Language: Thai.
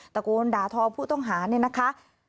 ตะโกนด่าทอผู้ต้องหาเนี่ยนะคะ